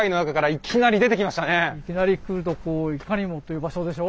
いきなり来るとこういかにもという場所でしょ？